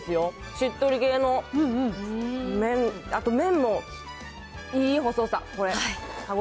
しっとり系の麺、あと麺もいい細さ、これ。